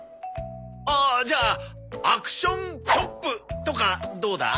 ああじゃあ「アクションチョップ」とかどうだ？